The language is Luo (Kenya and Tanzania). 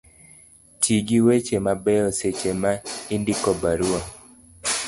ti gi weche mabeyo seche ma indiko barua